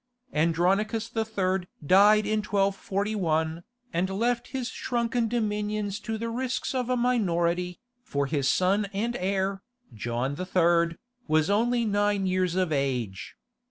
Andronicus III. died in 1241, and left his shrunken dominions to the risks of a minority, for his son and heir, John III., was only nine years of age.